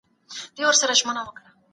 هغه به په راتلونکي کې ښه استاد سی.